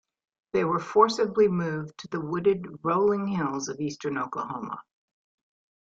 They were forcibly moved to the wooded, rolling hills of eastern Oklahoma.